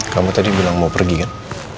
kamu tadi bilang mau pergi kan